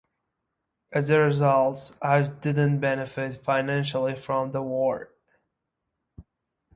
As a result, Ives did not benefit financially from the war.